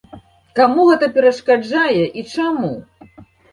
Каму гэта перашкаджае і чаму?